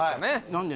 何で？